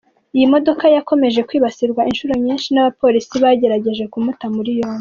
Iyi modoka yakomeje kwibasirwa inshuro nyinshi n’abapolisi bagerageza kumuta muri yombi.